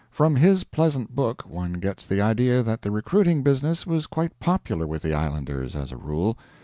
From his pleasant book one gets the idea that the recruiting business was quite popular with the islanders, as a rule.